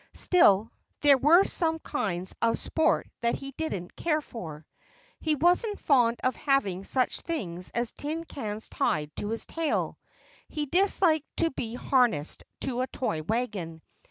Still, there were some kinds of sport that he didn't care for. He wasn't fond of having such things as tin cans tied to his tail. He disliked to be harnessed to a toy wagon.